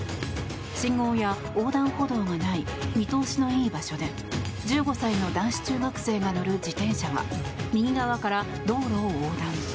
信号や横断歩道がない見通しのいい場所で１５歳の男子中学生が乗る自転車が右側から道路を横断。